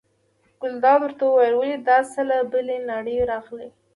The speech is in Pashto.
ګلداد ورته وویل: ولې دا څه له بلې نړۍ راغلي.